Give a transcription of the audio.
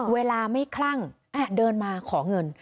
เวลาไม่คลั่งเดินมาขอเงิน